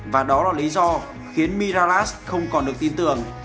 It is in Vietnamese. và đó là lý do khiến miraras không còn được tin tưởng